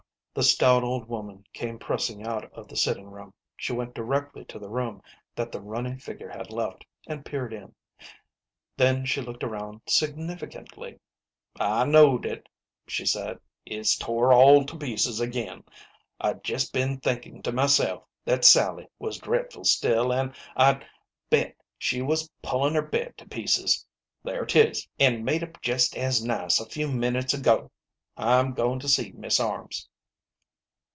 The stout old woman came pressing out of the sitting room. She went directly to the room that the running figure had left, and peered in ; then she looked around sig nificantly. " I knowed it," she said ;" it's tore all to pieces agin. I'd jest been thinkin' to myself that Sally was dret ful still, an' I'd bet she was pullin' her bed to pieces. There 'tis, an' made up jest as nice a few minutes ago ! I'm goin' to see Mis' Arms."